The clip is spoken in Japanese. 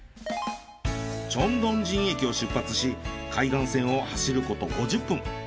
チョンドンジン駅を出発し海岸線を走ること５０分。